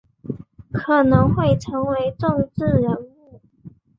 可能会成为政治人物